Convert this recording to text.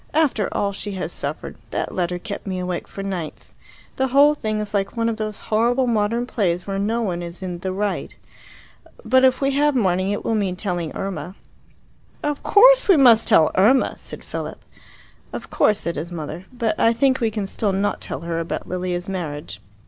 "After all she has suffered. That letter kept me awake for nights. The whole thing is like one of those horrible modern plays where no one is in 'the right.' But if we have mourning, it will mean telling Irma." "Of course we must tell Irma!" said Philip. "Of course," said his mother. "But I think we can still not tell her about Lilia's marriage."